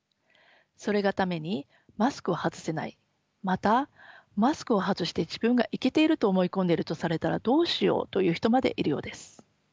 それがためにマスクを外せないまたマスクを外して自分がイケていると思い込んでいるとされたらどうしようという人までいるようです。